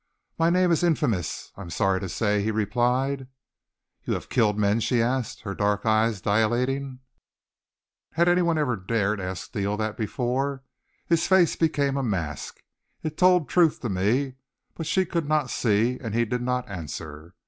"My name is infamous, I am sorry to say," he replied. "You have killed men?" she asked, her dark eyes dilating. Had any one ever dared ask Steele that before? His face became a mask. It told truth to me, but she could not see, and he did not answer.